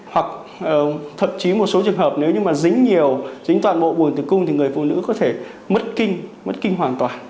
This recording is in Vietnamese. hoặc thậm chí một số trường hợp nếu như mà dính nhiều dính toàn bộ bùi tử cung thì người phụ nữ có thể mất kinh mất kinh hoàn toàn